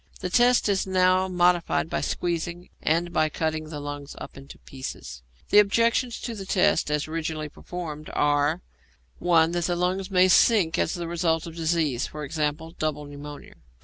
The test is now modified by squeezing, and by cutting the lungs up into pieces. The objections to the test as originally performed are (1) That the lungs may sink as the result of disease e.g., double pneumonia.